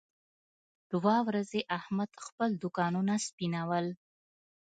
دوه ورځې احمد خپل دوکانونه سپینول.